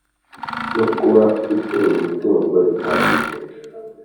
No kuba afite imitungo ihagije